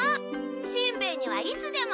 しんべヱにはいつでも。